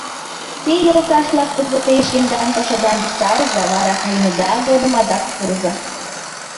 Те, йолташ-влак, кызытеш шкендан пашадам виктарыза, вара кайымыда годым адак пурыза.